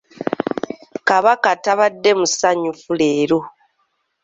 Kabaka tabadde musanyufu leero.